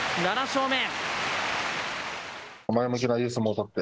７勝目。